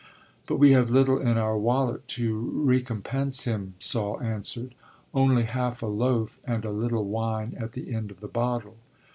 But we have little in our wallet to recompense him, Saul answered, only half a loaf and a little wine at the end of the bottle.